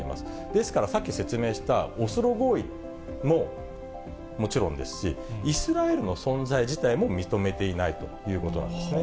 ですから、さっき説明したオスロ合意ももちろんですし、イスラエルの存在自体も認めていないということなんですね。